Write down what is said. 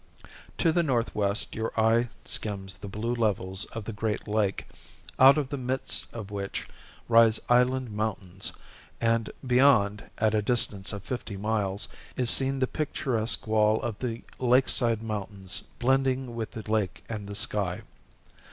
To the northwest your eye skims the blue levels of the great lake, out of the midst of which rise island mountains, and beyond, at a distance of fifty miles, is seen the picturesque wall of the lakeside mountains blending with the lake and the sky.